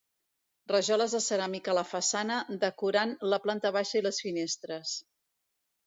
Rajoles de ceràmica a la façana, decorant la planta baixa i les finestres.